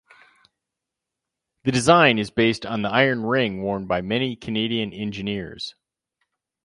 The design is based on the iron ring worn by many Canadian engineers.